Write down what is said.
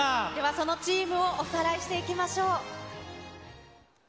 そのチームをおさらいしていきましょう。